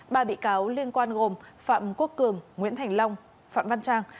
ba bị cáo liên quan gồm phạm quốc cường nguyễn thành long phạm văn trang